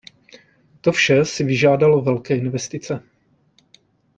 To vše si vyžádalo velké investice.